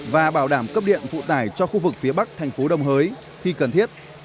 và bảo đảm cấp điện phụ tải cho khu vực phía bắc thành phố đồng hới khi cần thiết